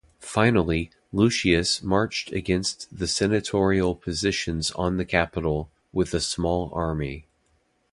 Finally, Lucius marched against the Senatorial positions on the Capitol with a small army.